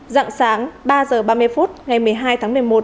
dặng sáng ba h ba mươi phút ngày một mươi hai tháng một mươi một